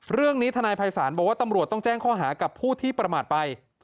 เรื่องนี้ทนายภัยศาลบอกว่าตำรวจต้องแจ้งข้อหากับผู้ที่ประมาทไป